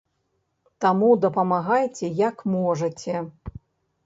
Таму дапамагайце як можаце.